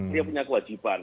dia punya kewajiban